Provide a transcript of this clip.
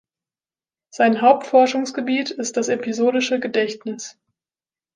Sein Hauptforschungsgebiet ist das episodische Gedächtnis.